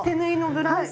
ブラウス。